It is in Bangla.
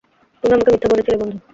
তুমি আমাকে মিথ্যে বলছিলে, বন্ধু।